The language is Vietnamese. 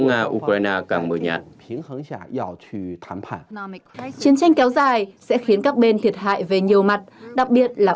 nga ukraine càng mờ nhạt chiến tranh kéo dài sẽ khiến các bên thiệt hại về nhiều mặt đặc biệt là